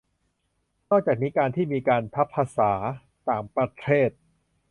นอกจากนี้ การที่มีการทับศัพท์ภาษาต่างประเทศ